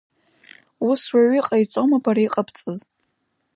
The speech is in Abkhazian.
Ус уаҩы иҟаиҵома бара иҟабҵаз?